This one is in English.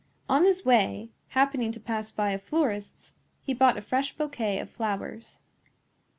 On his way, happening to pass by a florist's, he bought a fresh bouquet of flowers.